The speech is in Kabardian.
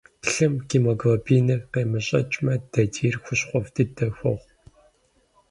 Лъым гемоглобиныр къемэщӏэкӏмэ, дадийр хущхъуэфӏ дыдэ хуохъу.